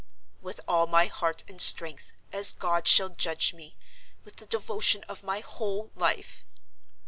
"With all my heart and strength—as God shall judge me, with the devotion of my whole life!"